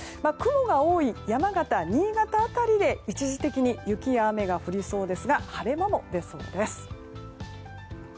雲が多い山形、新潟辺りで一時的に雪や雨が降りそうですが晴れ間も出そうです。